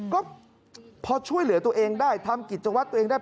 ก็พอช่วยเหลือตัวเองได้ทำกิจวัตรตัวเองได้